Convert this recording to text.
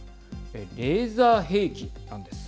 レーザー兵器なんです。